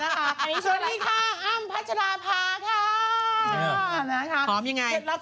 สวัสดีค่ะอ้ำพัชราภาค่ะ